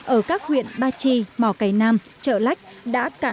ở các huyện bà chi mò cày nam chợ lách đã cạn nguồn nước